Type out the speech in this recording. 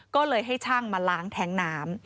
ก็เลยให้ช่างมาล้างแท้งน้ำ